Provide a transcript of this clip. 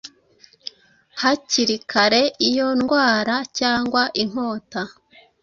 hakiri kareiyo ndwara cyangwa inkota